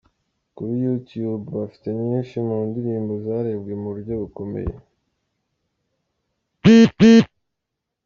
Kuri YouTube bafite nyinshi mu ndirimbo zarebwe mu bury bukomeye:.